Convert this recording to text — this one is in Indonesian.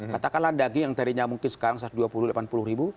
katakanlah daging yang tadinya mungkin sekarang satu ratus dua puluh delapan puluh ribu